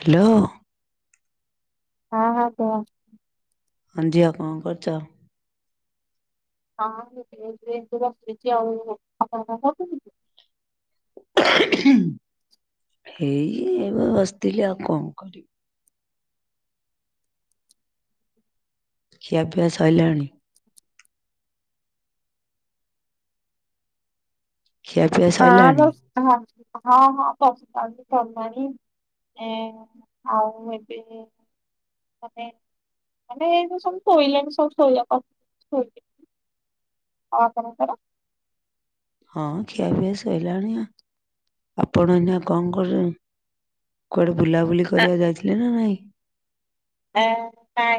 Hello. ହଁ ହଁ କୁହ। ହଁ ଝିଅ କଣ କରୁଛ? ହଁ ଏ [unintelligible] ବସଛି ଆଉ ଆପଣ କଣ କରୁଛନ୍ତି? ହେଇ ଏବେ ବସିଥିଲି ଆଉ କଁ କରିବି। ଖିଆ ପିଆ ସଇଲାଣି? ଖିଆପିଆ ସଇଲାଣି ହଁ ଆମର ହଁ ହଁ ହଁ ସଇଲାଣି। ଏ ଆଉ ଏବେ ମାନେ ମାନେ ଏ ଯୋଉ ସବୁ ଶୋଇଲେଣି ସବୁ ଶୋଇବାକୁ [unintelligible] ଆଉ ଆପଣ କଂର? ହଁ ଖିଆପିଆ ସଇଲାଣି ଆପଣ ଏଇନା କଣ କରୁଚନ୍ତି? କୁଆଡେ ବୁଲାବୁଲି କରିବାକୁ ଯାଇଥିଲେ ନା ନାଇଁ? ନା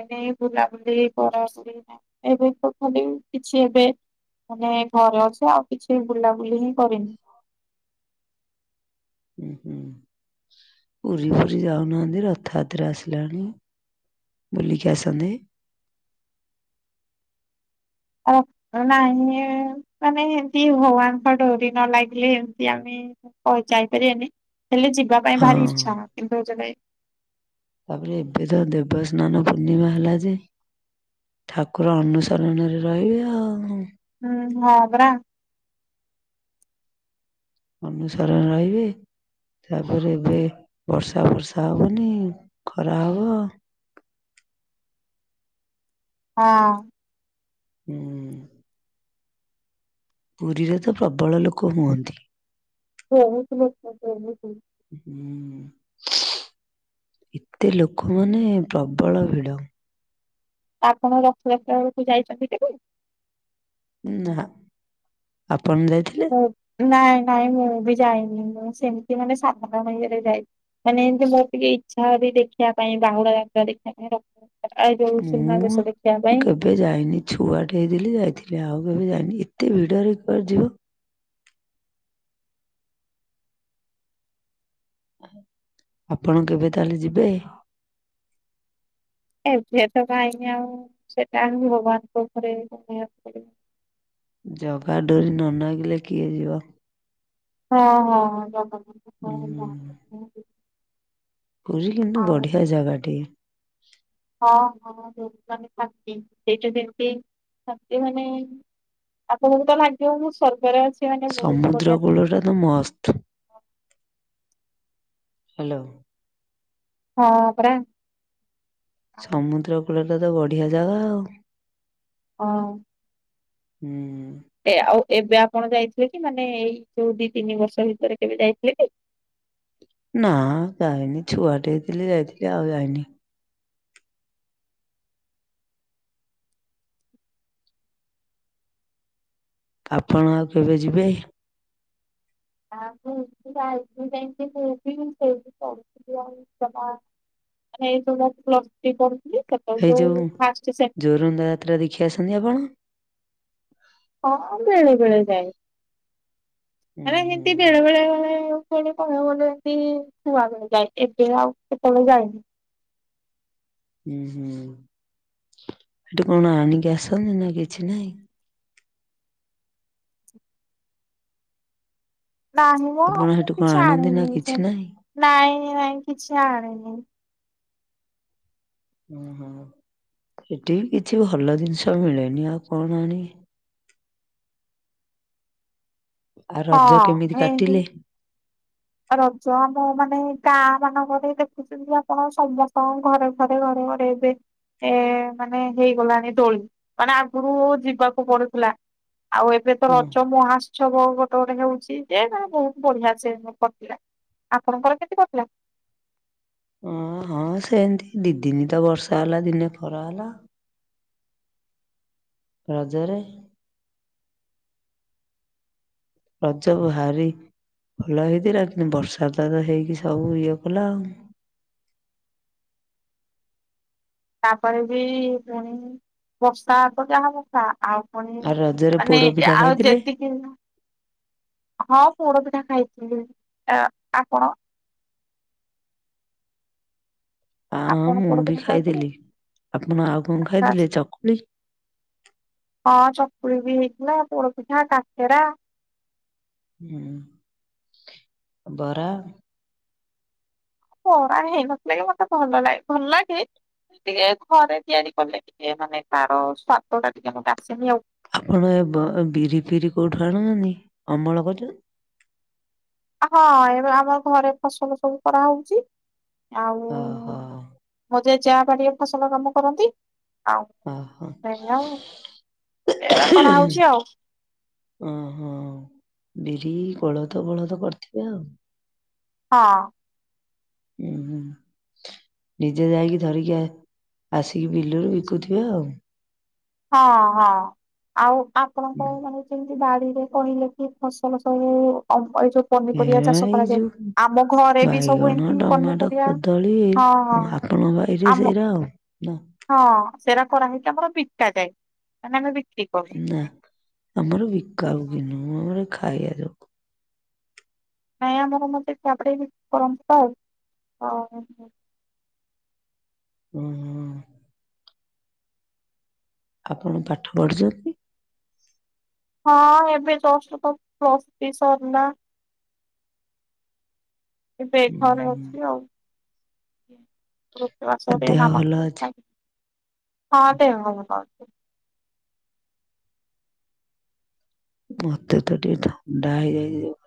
ନାଇଁ ବୁଲାବୁଲି ଘରେ ଅସୁବି ଧା ଏବେ ତ ଖାଲି କିଛି ଏବେ ମାନେ ଘରେ ଅଛି ଆଉ କିଛି ବୁଲାବୁଲି ହିଁ କରିନି। ଉଁ ହୁଁ, ପୁରୀ ଫୁରୀ ଯାଉନାହାନ୍ତି ରଥ ଯାତ୍ରା ଆସିଲାଣି। ବୁଲିକି ଆସନ୍ତେ। ଓ ନାଇଁ ଏ ମାନେ ଏମିତି ଭଗବାନଙ୍କ ଡୋରି ନ ଲାଗିଲେ ଏମତି ଆମେ କଣ ଯାଇପାରିବାନି? ହେଲେ ଯିବା ପାଇଁ ହଁ ଭାରି ଇଚ୍ଛା କିନ୍ତୁ ଯେବେ ତାପରେ ଏବେ ଯୋ ଦେବ ସ୍ନାନ ପୂର୍ଣ୍ଣିମା ହେଲା ଯେ ଠାକୁର ଅନୁସରଣରେ ରହିବେ ଆଉ। ହୁଁ ହଁ ବରା। ଅନୁସରଣ ରହିବେ। ତାପରେ ଏବେ ବର୍ଷା ଫର୍ଷା ହବନି ଖରା ହବ। ହଁ। ହୁଁ। ପୁରୀରେ ତ ପ୍ରବଳ ଲୋକ ହୁଅନ୍ତି। ବହୁତ ଲୋକ ବହୁତୁ। ହୁଁ ଏତେ ଲୋକ ମାନେ ପ୍ରବଳ ଭିଡ। ଆପଣ ରଥଯାତ୍ରା ବେଳକୁ ଯାଇଛନ୍ତି କେବେ? ନା ଆପଣ ଯାଇଥିଲେ? ହ ନାଇଁ ନାଇଁ ମୁଁ ବି ଯାଇନି ମୁଁ ସେମ୍ତି ମାନେ ସାଧାରଣ ୟେରେ ଯାଇ ମାନେ ଏନ୍ତି ମୋ ଟିକେ ଇଚ୍ଛା [unintelligible] ଦେଖିଆ ପାଇଁ ବାହୁଡା ଯାତ୍ରା ଦେଖିଆ ପାଇଁ ର ମୁଁ [unintelligible] ପାଇଁ କେବ୍ ପେ ଯାଇନି ଛୁଆଟେ ହେଇଥିଲି ଯାଇଥିଲି ଆଉ କେବେ ଯାଇନି ଏତେ ଭିଡରେ କୁଆ ଯିବ? ଆହା ଆପଣ କେବେ ତାହେଲେ ଯିବେ? ଏବେ ତ କାଇଁକି ଆଉ ସେଟା ଆଉ ଭଗବାନଙ୍କ ଉପରେ [unintelligible] ପଡିବ। ଜଗା ଡୋରି ନ ନାଗିଲେ କିଏ ଯିବ? ହଁ-ହଁ ଜଗା ଡୋରି। ଉଁ ହୁଁ-ହୁଁ। ପୁରୀ କିନ୍ତୁ ବଢ଼ିଆ ଜାଗା ଟିଏ। ହଁ-ହଁ [unintelligible] ଖାଲି ଖାଟି ସେଇଟା ଯେମତି ଖାଟି ମାନେ ଆପଣଙ୍କୁ ତ ଲାଗିଅ ମୁଁ ସ୍ବର୍ଗରେ ଅଛି। ମାନେ ବହୁତ ସମୁଦ୍ର ବଢିଆ ଶାନ୍ତି କୂଳଟା ତ ମସ୍ତ୍ ଲାଗିବ। ହାଲୋ। ହଁ ପରା। ଆଉ ସମୁଦ୍ର କୂଳଟା ତ ବଢିଆ ଜାଗା ଆଉ। ହଁ। ହୁଁ। ଏ ଆଉ ଏବେ ଆପଣ ଯାଇଥିଲେ କି ମାନେ ଏଇ କୋଉ ଦି ତିନି ବର୍ଷ ଭିତରେ କେବେ ଯାଇଥିଲେ କି? ନା ଯାଇନି ଛୁଆଟେ ହେଇଥିଲି ଯାଇଥିଲି ଆଉ ଯାଇନି। ଆପଣ ଆଉ କେବେ ଯିବେ? ନା ମୁଁ ଯାଇଥିଲି ମୁଁ ଯାଇଁକି କୋଉଠି ସେଇଟି ପଢୁଥିଲି ଆଉ ସେଟା ନାଇଁ ଶୁଣ ପ୍ଲସ୍ ଥ୍ରି ପଢୁଥିଲି ସେ ହେଇ ଯୋଉଁ ଜୋରନ୍ଦା ଯାତ୍ରା ଦେଖି ଆସନ୍ତି ଆପଣ? ହଁ ବେଳେ ବେଳେ ଯାଏ ହୁଁ ମାନେ ହିନ୍ତି ବେଳେ ବେଳେ [unintelligible] ପୁଣି କହିଆକୁ ଗଲେ ଏମିତି ଛୁଆବେଳେ ଯାଏ ଏବେ ଆଉ କେତେବେଳେ ଯାଇନି। ହୁଁ-ହୁଁ ହେଠୁ କଣ ଆଣିକି ଆସନ୍ତି ନା କିଛି ନାଇଁ? ନାହିଁ ମ ଆପଣ ମୁଁ ସେଠୁ କଣ କିଛି ଆଣନ୍ତି ନା ଆଣିନି କିଛି ସେମ୍ ନାହିଁ? ନାଇଁ ନାଇଁ କିଛି ଆଣିନି। ଓହୋ ସେଟି ବି କିଛି ଭଲ ଜିନିଷ ମିଳେନି ଆଉ କଣ ଆଣିଏ। ଆ ରଜ ହଁ କେମିତି ଏମତି କାଟିଲେ? ରଜ ମୁଁ ମାନେ ଗାଁ ମାନଙ୍କରେ ଦେଖୁଚୁ ମୁଁ ଆପଣ ସମସ୍ତଙ୍କ ଘରେ ଘରେ ଘରେ ଘରେ ଏବେ ଏ ମାନେ ହେଇଗଲାଣି ଦୋଳି ମାନେ ଆଗରୁ ଯିବାକୁ ପଡୁଥିଲା। ଆଉ ଏବେ ତ ହଁ ରଜ ମହାତ୍ସବ ଗୋଟେ ଗୋଟେ ହଉଚି ଯେ ନା ବହୁତ୍ ବଢିଆ ସେ [unintelligible] କଟିଲା ଆପଣଙ୍କର କେମ୍ତି କଟିଲା? ଅଁ ହଁ ସେନ୍ତି ଦି ଦିନି ତ ବର୍ଷା ହେଲା ଦିନେ ଖରା ହେଲା। ରଜରେ। ରଜ ଭାରି ଭଲ ହେଇଥିଲା କିନ୍ତୁ ବର୍ଷା ତ ତ ହେଇକି ସବୁ ଇଏ କଲା ଆଉ। ତାପରେ ବି ପୁଣି ବର୍ଷା ତ ଯାହା ବର୍ଷା ଆଉ ପୁଣି ଆଉ ରଜରେ ମାନେ ପୋଡ ପିଠା ଆଉ ଖାଇଥିଲେ ଯେତିକି [unintelligible] ହଁ ପୋଡପିଠା ଖାଇଥିଲି। ଆ ଆପଣ? ଆଁ ଆପଣ ମୁଁ ବି ପୋଡପିଠା ଖାଇଥିଲେ? ଖାଇଥିଲି। ଆପଣ ଆଉ କଣ ଆଚ୍ଛା ଆଚ୍ଛା ଖାଇଥିଲେ ଚକୁଳି? ହଁ ଚକୁଳି ବି ହେଇଥିଲା ପୋଡପିଠା କାକେରା। ହୁଁ ବରା। ବରା ହେଇନଥିଲା କି ମତେ ଭଲ ଲା ଭଲ୍ ଲାଗେ। ଟିକେ ଘରେ ତିଆରି କଲେ ଟିକେ ମାନେ ତାର ସ୍ଵାଦ ଟା ଟିକେ ମତେ ଆସେନି ଆଉ। ଆପଣ ଏ ବ ବିରି ଫିରି କୋଉଠୁ [unintelligible] ଅମଳ କରୁଚ ହଁ ଏବେ ଆମ ଘରେ ଫସଲ ସବୁ କରା ହଉଚି, ଆଉ ଓହୋ। ମୋ ଜେଜେବାପା ଟିକେ ଫସଲ କାମ କରନ୍ତି। ଆଉ ଓହୋ ସେୟା ଆଉ, ଏୟା କରା ହଉଚି ଆଉ। ଓହୋ, ବିରି କୋଳଥ ଫୋଳଥ କରିଥିବେ ଆଉ। ହଁ। ଉଁ ହୁଁ। ନିଜେ ଯାଇକି ଧରିକି ଆସିକି ବିଲରୁ ବିକୁଥିବେ ଆଉ। ହଁ-ହଁ ଆଉ ଆପଣଙ୍କ ମାନେ ଯେମ୍ତି ବାଡିରେ କହିଲେ କି ଫସଲ ସବୁ [unintelligible] ଏଇ ଯୋଉ ଏ ପନିପରିବା ଚାଷ ଏଇ କରାଯାଏ, ଯୋଉ ଆମ ଘରେ ବି ସବୁ ବାଇଗଣ ଏମ୍ତି ଟମାଟୋ ପନିପରିବା କଦଳୀ ଏଇରା ଆଉ। ହଁ-ହଁ। ଆପଣଙ୍କ ବାରିରେ ସେଇରା ଆଉ ନା? ହଁ ସେରା କରା ହେଇକି ଆମର ବିକା ଯାଏ, ମାନେ ଆମେ ବିକ୍ରି କରୁ। ନା ଆମର ବିକା ବିକି ନୁହଁ, ଆମର ଖାଇବା [unintelligible] ନାଇଁ ଆମର ମତେ [inaudible] [inaudible] ଆପଣ ପାଠ ପଢ଼ୁଚନ୍ତି? ହଁ ଏବେ ଜିଷ୍ଟ ତ ପ୍ଲସ୍ ଥ୍ରି ସରିଲା। ଏବେ ଉଁ ଘରେ ହୁଁ ଅଛି ଆଉ। ହଁ ଆଉ ଦେହ ଭଲ ଅଛି ଦେହ ଭଲ ଅଛି। ମତେ ତ ଟିକେ ଥଣ୍ଡା ହେଇଯାଇଚି ଆଉ।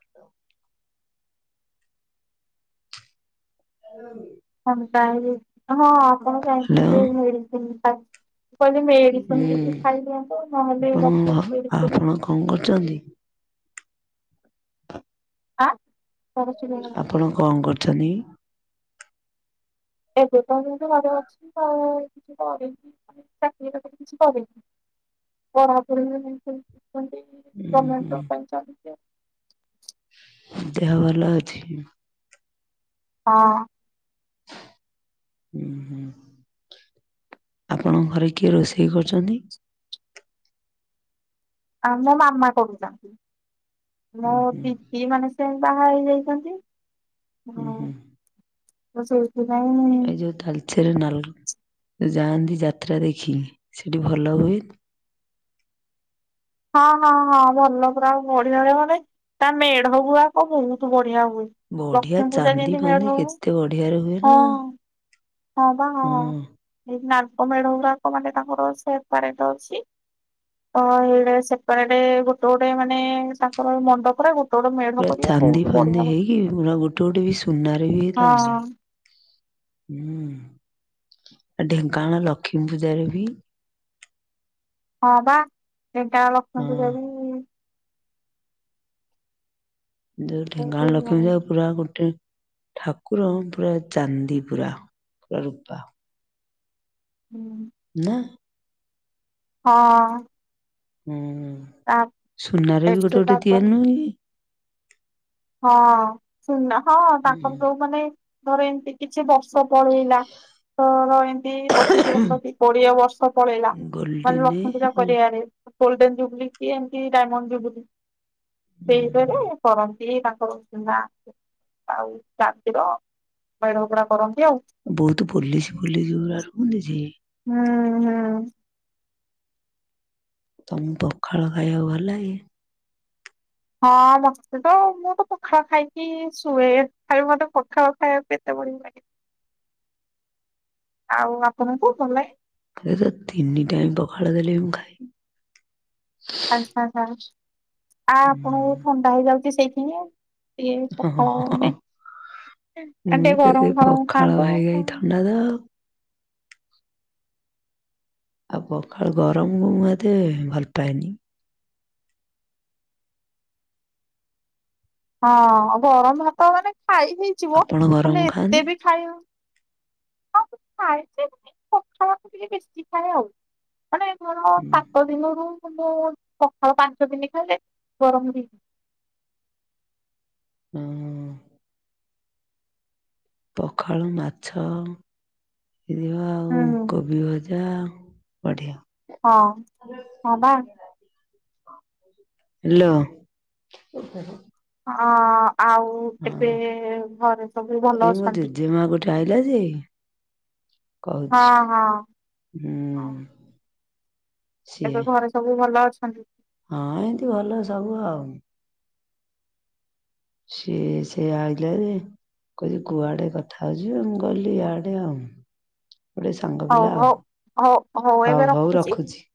[inaudible] ଥଣ୍ଡା ହେଇଯାଇଚି, ହଁ ଆପଣ [inaudible] ମୁଁ ହ୍ୟାଲୋ କହିଲି ମେଡିସିନ୍ ହୁଁ କିଛି ଖାଇଦିଅନ୍ତୁ, ନହେଲେ ଆପଣ ଡ଼କ୍ଟର ଆପଣ [unintelligible] କଣ କରୁଚନ୍ତି? ଆଁ? ତାର ଶୁଣିବା ଆପଣ କଣ କରୁଚନ୍ତି? ଏବେ ତ ମୁଁ ଘର ଅଛି ଆଉ କିଛି କରିନି ଚାକିରି ବାକିରି କିଛି କରିନି। ପଢାପଢି ଉଁ ହୁଁ [inaudible] ଦେ ହଭଲ ଅଛି? ହଁ। ହୁଁ, ଆପଣଙ୍କ ଘରେ କିଏ ରୋଷେଇ କରୁଚନ୍ତି? ଆ ମୋ ମାମା କରୁଥିଲା, ମୋ ଉଁ ହୁଁ ଦି ଦି ମାନେ ସେ ବାହା ହେଇଯାଇଚନ୍ତି, ଉଁ ହୁଁ ତ ସେ ଥିପାଇଁ ଏଯୋଉ ତାଲଚେର୍ ନାଲ ଯାଆନ୍ତି ଯାତ୍ରା ଦେଖି ସେଠି ଭଲ ହୁଏନି? ହଁ-ହଁ-ହଁ ଭଲ ପୁରା ଆଉ ବଢିଆ-ବଢ଼ିଆ ମାନେ ତା ମେଢ ଗୁରାକ ବହୁତୁ ବଢିଆ ହୁଏ। ବଢିଆ ଲକ୍ଷ୍ମୀ ପୂଜା ଚାନ୍ଦି ଯେନ୍ତି ଫାନ୍ଦି ମେଢ ହୁଏ କେତେ ବଢିଆରେ ହୁଏ ନା ହଁ। ହଁ ବା ହୁଁ ହଁ ଏଇ ନାଲକୋ ମେଢ ଗୁଡାକ ମାନେ ତାଙ୍କର ସେପାରେଟ୍ ଅଛି। ତ ଏ ସେପାରେଟେ ଗୋଟେ-ଗୋଟେ ମାନେ ତାଙ୍କର ମଣ୍ଡପରେ ଗୋ ପୁରା ଚାନ୍ଦି ଫାନ୍ଦି ହେଇକି ପୁରା ଗୋଟେ-ଗୋଟେ ବି ସୁନାରେ ବି ହଇଥାନ୍ତି। ହୁଁ, ଆ ଢେଙ୍କାନାଳ ଲକ୍ଷ୍ମୀ ପୂଜାରେ ବି ହଁ ବା ଢେଙ୍କାନାଳ ଲକ୍ଷ୍ମୀ ହଁ ପୂଜା ବି ଯୋଉ ବହୁତ ଢେଙ୍କାନାଳ ଲକ୍ଷ୍ମୀ ପୂଜାକୁ ପୁରା ଗୋଟେ ଠାକୁର ପୁରା ଚାନ୍ଦି ପୁରା ପୁରା ରୂପା ହୁଁ। ନା। ହଁ ଅଁ। ହୁଁ ସୁନାରେ ବି ଗୋଟେ ଏଠି ଗୋଟେ ତାପରେ ତିଆରି ନୁହଁକି। ହଁ ସୁନା ହଁ ତାଙ୍କକର ଯୋଉ କି ମାନେ ଧରେ କିଛି ବସ ସଫଳ ହେଇଲା ତୋର ଏନ୍ତି ପଚିଶି ବର୍ଷ କି କୋଡିଏ ବର୍ଷ ପଳେଇଲା ମାନେ ଗୋଲ୍ଡେନ ଲକ୍ଷ୍ମୀ ପୂଜା କରିବାରେ ଗୋଲଡେନ ଜୁବଲି କି ଏମିତି ଡାଇମଣ୍ଡ ଜୁବଲି ସେଇମାନେ କରନ୍ତି। ସିଏ ତାଙ୍କର ସୁନା ଆଉ ଚାନ୍ଦି ର ମେଢ଼ ପୁରା କରନ୍ତି ଆଉ। ବହୁତ ପୋଲିସି ଫୋଲିସି ଗୁରା ରୁହନ୍ତି ଯେ। ହୁଁ। ହୁଁ ତମକୁ ପଖାଳ ଖାଇବାକୁ ଭଲଲାଗେ? ହଁ ମତେତ ମୁଁ ତ ପଖାଳ ଖାଇକି ଶୁଏ [unintelligible] ମତେ ପଖାଳ ଖାଇବାକୁ ଏତେ ବଢିଆ ଭଲ ଲାଗେ। ଆଉ ଆପଣ କୁ ଭଲ ଲାଗେ? ମୋତେ ତ ତିନି ଟାଇମ୍ ପଖାଳ ଦେଲେ ମୁଁ ଖାଇବି। ଆଛା ଆଛା ଆ ଆପଣ କୁ ଥଣ୍ଡା ହେଇଯାଉଛି ସେଇଥିପାଇଁ। ଇଏ ହଁ ହଁ ପଖାଳ ହଁ ମାନେ ଆ ମୁଁ ଟିକେ ତ ସେଇ ଗରମ ଫରମ ପଖାଳ ଖାଆନ୍ତୁ ଖାଇ ଖାଇ ଥଣ୍ଡା ତ ଆଉ। ଆଉ ପଖାଳ ଗରମକୁ ମୁଁ ଏତେ ଭଲ ପାଏନି। ହଁ ଗରମ ଭାତ ମାନେ ଖାଇ ହେଇଯିବ ଆପଣ ଗରମ ହେଲେ ଏତେ ଖାଆନ୍ତି? ବି ଖାଇ ହ ହଁ ଖାଏ ଯେ ପଖାଳ ଟିକେ ବେଶୀ ଖାଏ ଆଉ। ମାନେ କଣ ହୁଁ ସାତ ଦିନରୁ ମୁଁ ପଖାଳ ପାଞ୍ଚ ଦିନ ଖାଇଲେ ଗରମ ହୁଁ ଉଁ। ପଖାଳ ମାଛ ଥିବ ଆଉ ହୁଁ କୋବି ଭ ଯା ଆ ବଢିଆ। ହଁ ହଁ ବା। ହ୍ୟାଲୋ। ହଁ ଆଉ ଏବେ ହଁ ଏ ଘରେ ସବୁ ଏଇ ଭଲ ମୋ ଅଛନ୍ତି? [unintelligible] ଯେ କହୁଛି ହଁ ହଁ ହଁ ହୁଁ ସିଏ ଏବେ ଘରେ ସବୁ ଭଲ ଅଛନ୍ତି? ହଁ ଏନ୍ତି ଭଲ ସବୁ ଆଉ। ସିଏ ସେ ଆଇଲା ଯେ କହିଲା କୁଆଡେ କଥା ହଉଜୁ ମୁଁ କହିଲି ଇଆଡେ ଆଉ। ଗୋଟେ ସାଙ୍ଗ ହଉ ପିଲା ଆଉ ହଉ ହଉ ହଉ ରଖୁଛି।